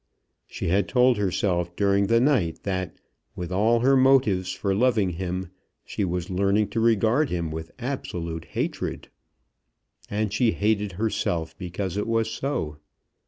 She had told herself during the night that, with all her motives for loving him, she was learning to regard him with absolute hatred. And she hated herself because it was so.